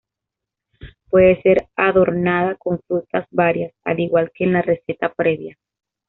Puede ser adornada con frutas varias, al igual que en la receta previa.